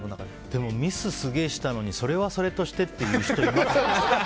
でもミスすげえしたのにそれはそれとしてっていう人います？